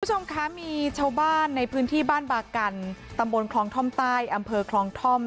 คุณผู้ชมคะมีชาวบ้านในพื้นที่บ้านบากันตำบลคลองท่อมใต้อำเภอคลองท่อม